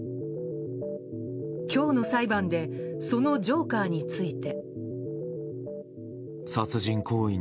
今日の裁判でそのジョーカーについて。